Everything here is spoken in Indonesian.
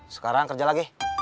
sekarang kerja lagi